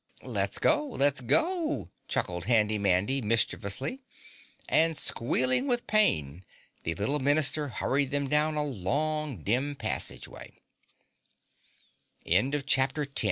"Let's go! Let's go!" chuckled Handy Mandy mischievously. And squealing with pain the little Minister hurried them down a long dim passageway. CHAPTER 11 Down to the Prisoners' Pit!